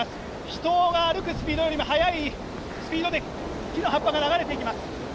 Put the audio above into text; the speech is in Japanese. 人が歩くスピードよりも速いスピードで木の葉っぱが流れていきます。